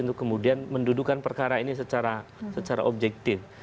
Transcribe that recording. untuk kemudian mendudukan perkara ini secara objektif